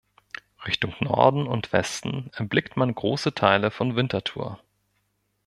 Richtung Norden und Westen erblickt man grosse Teile von Winterthur.